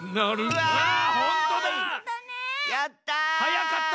やった！